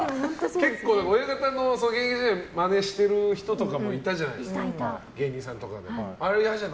結構親方の現役時代をマネしてる人とかもいたじゃないですか芸人さんとかで。